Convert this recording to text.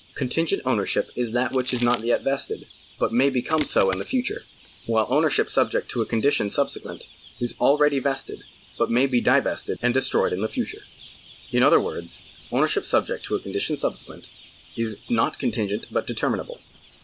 Contingent ownership is that which is not yet vested, but may become so in the future ; while ownership subject to a condition subsequent is already vested, but may be divested and destroyed in the future. In other words ownership subject to a condition subsequent is not contingent but determinable.